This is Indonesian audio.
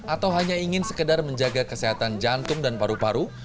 atau hanya ingin sekedar menjaga kesehatan jantung dan paru paru